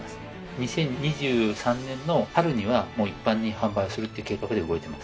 ２０２３年の春には一般に販売するっていう計画で動いてます